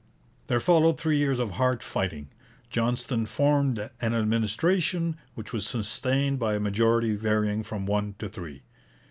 There followed three years of hard fighting. Johnston formed an administration, which was sustained by a majority varying from one to three.